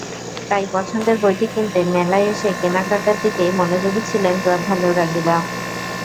তাই পছন্দের বইটি কিনতে মেলায় এসে কেনাকাটার দিকেই মনোযোগী ছিলেন গ্রন্থানুরাগীরা।